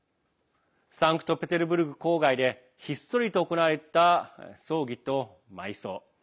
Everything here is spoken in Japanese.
サンクトペテルブルク郊外でひっそりと行われた葬儀と埋葬。